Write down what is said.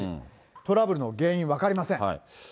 トラブルの原因、分かりません。